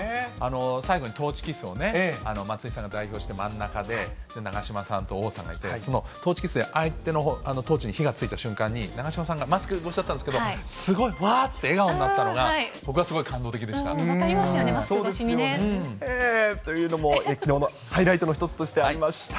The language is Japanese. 最後にトーチキスをね、松井さんが代表して真ん中で、長嶋さんと王さんがいて、そのトーチキスで相手のほう、トーチに火がついた瞬間に、長嶋さんがマスク越しだったんですけど、すごい、わーって笑顔になったのが、僕はすごい感動的でありましたね、マスク越しにね。というのもきのうのハイライトの一つとしてありました。